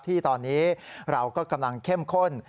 ที่ตอนนี้เราก็กำลังเข้มข้น